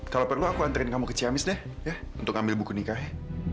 kalau perlu aku antrin kamu ke ciamis deh ya untuk ngambil buku nikahnya